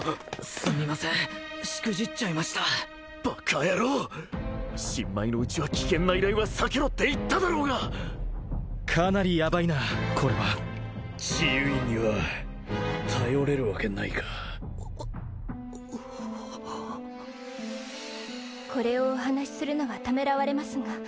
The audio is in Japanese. すみませんしくじっちゃいましたバカ野郎新米のうちは危険な依頼は避けろって言っただろうがかなりヤバいなこれは治癒院には頼れるわけないかこれをお話しするのはためらわれますが